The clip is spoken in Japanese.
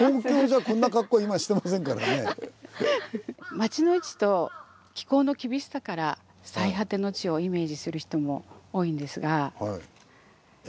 町の位置と気候の厳しさから「最果ての地」をイメージする人も多いんですが。